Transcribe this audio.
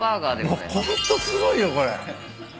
もうホントすごいよこれ。